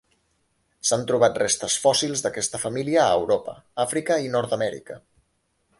S'han trobat restes fòssils d'aquesta família a Europa, Àfrica i Nord-amèrica.